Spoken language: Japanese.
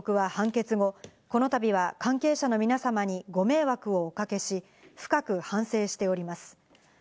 植野被告は判決後、このたびは関係者の皆さまにご迷惑をおかけし、深く反省しております。